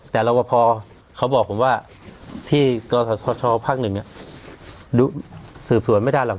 แต่แล้วว่าพอเขาบอกผมว่าที่พักหนึ่งน่ะดูสืบสวนไม่ได้หรอก